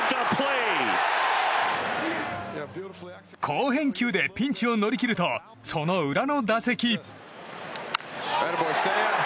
好返球でピンチを乗り切るとその裏の打席。